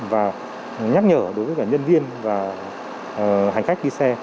và nhắc nhở đối với cả nhân viên và hành khách đi xe